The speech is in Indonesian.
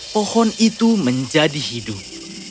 pohon itu menjadi hidup